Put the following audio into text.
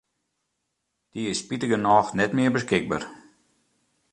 Dy is spitigernôch net mear beskikber.